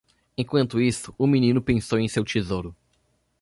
Enquanto isso, o menino pensou em seu tesouro.